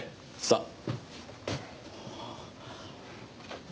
さあ。